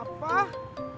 mak kenapa gak usah